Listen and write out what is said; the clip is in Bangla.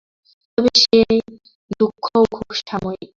তবে সেই দুঃখও খুব সাময়িক।